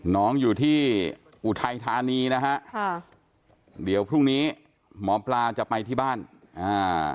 น้องอยู่ที่อุทัยธานีนะฮะค่ะเดี๋ยวพรุ่งนี้หมอปลาจะไปที่บ้านอ่า